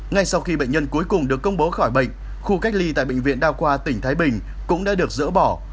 ngay sau khi bệnh nhân cuối cùng được công bố khỏi bệnh khu cách ly tại bệnh viện đa khoa tỉnh thái bình cũng đã được dỡ bỏ